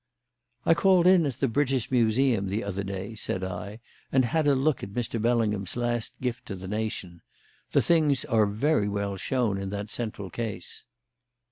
"I called in at the British Museum the other day," said I, "and had a look at Mr. Bellingham's last gift to the nation. The things are very well shown in that central case."